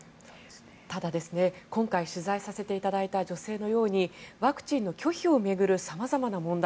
ただ、今回取材させていただいた女性のようにワクチンの拒否を巡る様々な問題